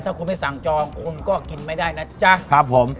ถ้าคุณไม่สั่งจองคุณก็กินไม่ได้นะจ๊ะครับผม